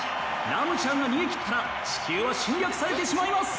ラムちゃんが逃げ切ったら地球は侵略されてしまいます！